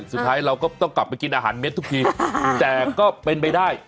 สุดท้ายเราก็ต้องกลับไปกินอาหารเม็ดทุกทีแต่ก็เป็นไปได้